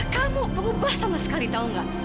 kamu berubah sama sekali tahu nggak